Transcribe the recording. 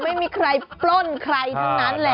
ไม่มีใครปล้นใครทั้งนั้นแหละ